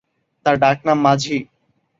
তাঁর ডাক নাম মাঝি।